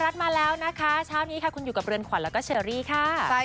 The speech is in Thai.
สวัสดีครับสวัสดีครับ